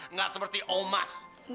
enggak seperti omas